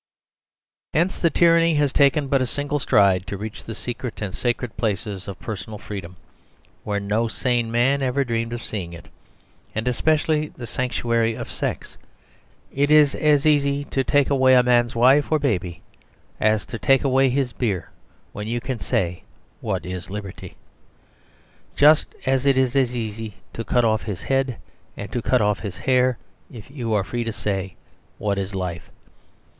Hence the tyranny has taken but a single stride to reach the secret and sacred places of personal freedom, where no sane man ever dreamed of seeing it; and especially the sanctuary of sex. It is as easy to take away a man's wife or baby as to take away his beer when you can say "What is liberty?"; just as it is as easy to cut off his head as to cut off his hair if you are free to say "What is life?"